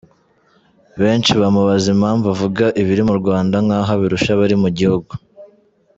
Benshi bamubaza impamvu avuga ibiri mu Rwanda nk’aho abirusha abari mu gihugu.